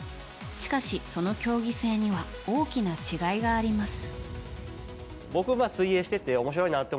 しかし、その競技性には大きな違いがあります。